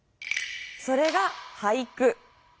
それが俳句。